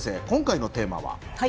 今回のテーマは？